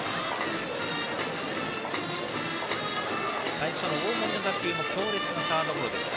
最初の大森の打球強烈なサードゴロでした。